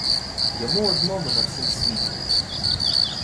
Йому одному на всім світі.